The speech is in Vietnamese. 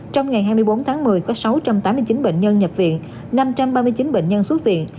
trong ngày hai mươi bốn tháng một mươi có sáu trăm tám mươi chín bệnh nhân nhập viện năm trăm ba mươi chín bệnh nhân xuất viện